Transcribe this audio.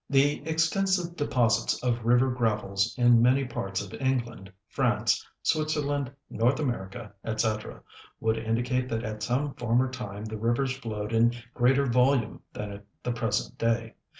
The extensive deposits of river gravels in many parts of England, France, Switzerland, North America, &c., would indicate that at some former time the rivers flowed in greater volume than at the present day.